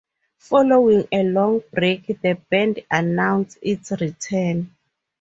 Following a long break, the band announced its return.